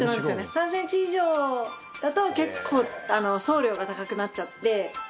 ３センチ以上だと結構送料が高くなっちゃって。